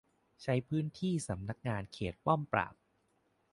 ใช้พื้นที่สำนักงานเขตป้อมปราบ